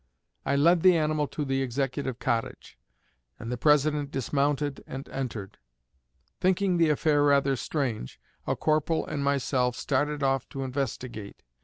I led the animal to the Executive Cottage, and the President dismounted and entered. Thinking the affair rather strange, a corporal and myself started off to investigate.